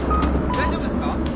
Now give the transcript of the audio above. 大丈夫ですか？